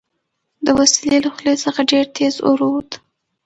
د وسلې له خولې څخه ډېر تېز اور ووت